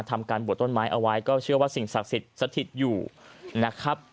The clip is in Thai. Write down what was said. ทำการบวชต้นไม้เอาไว้ก็เชื่อว่าสิ่งศักดิ์สิทธิ์สถิตอยู่นะครับ